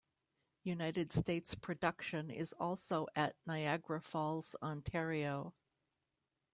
United States production is also at Niagara Falls, Ontario.